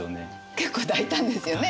結構大胆ですよね。